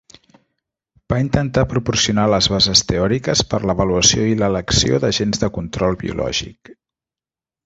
Va intentar proporcionar les bases teòriques per l'avaluació i l'elecció d'agents de control biològic.